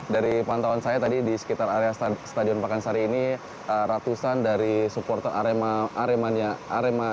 dari pantauan saya tadi di sekitar area stadion pakansari ini ratusan dari supporter